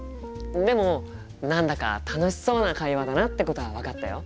でも何だか楽しそうな会話だなってことは分かったよ。